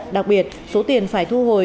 đặc biệt số tiền phải thu hồi